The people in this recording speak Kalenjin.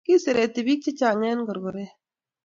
Kiserete pik chechang enkorkoret